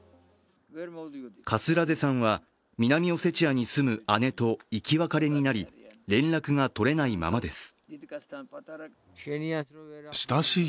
カスラゼさんは、南オセチアに住む姉と生き別れになり、連絡が取れないままです。